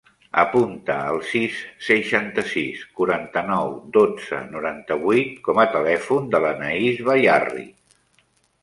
Apunta el sis, seixanta-sis, quaranta-nou, dotze, noranta-vuit com a telèfon de l'Anaís Bayarri.